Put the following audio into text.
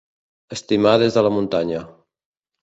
Estimar des de la muntanya.